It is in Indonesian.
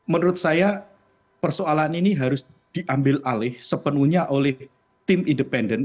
menurut saya persoalan ini harus diambil alih sepenuhnya oleh tim independen